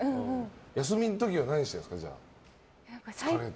休みの時はじゃあ、何してるんですか？